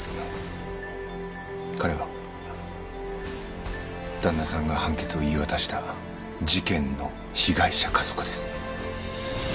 彼は旦那さんが判決を言い渡した事件の被害者家族です。